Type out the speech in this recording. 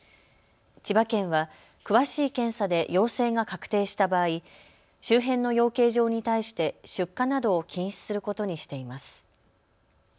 千葉県は詳しい検査で陽性が確定した場合、周辺の養鶏場に対して出荷などを禁止することにしています。